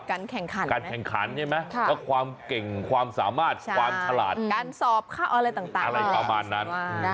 การแข่งขันใช่ไหมก็ความเก่งความสามารถความขลาดการสอบอะไรต่าง